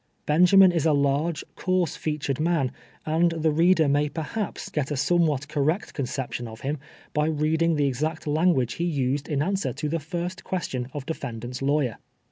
Benjamin is a large, coai'se featured man, and the reader may perhaps get a somewhat correct conception of him by reading tlie exact lan guage housed in answer to the fii^st question of de fendant's lawyer.